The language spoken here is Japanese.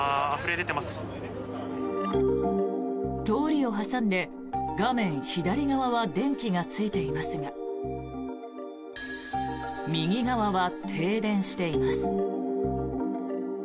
通りを挟んで画面左側は電気がついていますが右側は停電しています。